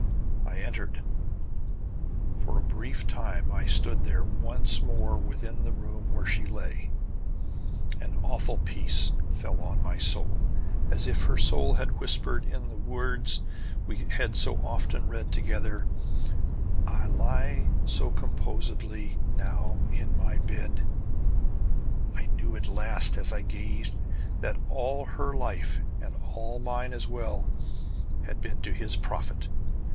I entered. For a brief time I stood once more within the room where she lay. An awful peace fell on my soul, as if her soul had whispered in the words we had so often read together: "I lie so composedly Now in my bed " I knew at last, as I gazed, that all her life, and all mine, as well, had been to his profit.